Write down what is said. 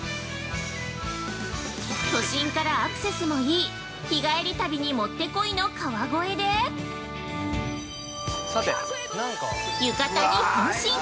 都心からアクセスもいい日帰り旅にもってこいの川越で浴衣に変身！